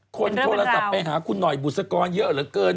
คนโทรศัพท์ไปหาคุณหน่อยบุษกรเยอะเหลือเกิน